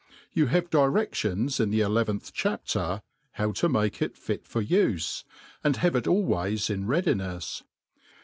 You have diredions in the eleventh chapter, how to make it fit for ufe, and have it always in readinefs.